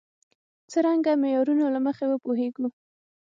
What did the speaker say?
څرنګه معیارونو له مخې وپوهېږو.